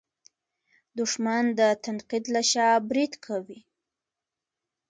دښمن د تنقید له شا برید کوي